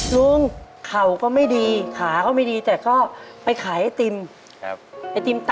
ลุงเขาก็ไม่ดีขาเขาไม่ดีแต่ก็ไปขายเฮทิม